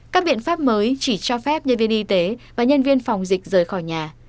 các biện pháp mới chỉ cho phép nhân viên y tế và nhân viên phòng dịch rời khỏi nhà